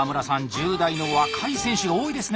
１０代の若い選手が多いですね。